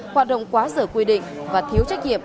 hoạt động quá giờ quy định và thiếu trách nhiệm